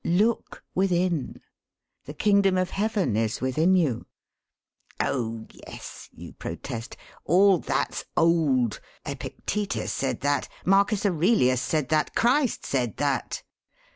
'Look within.' 'The Kingdom of Heaven is within you.' 'Oh, yes!' you protest. 'All that's old. Epictetus said that. Marcus Aurelius said that. Christ said that.'